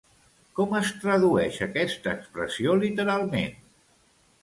Com es tradueix aquesta expressió literalment?